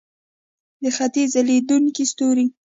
د ختیځ ځلیدونکی ستوری.